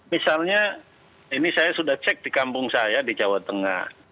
misalnya ini saya sudah cek di kampung saya di jawa tengah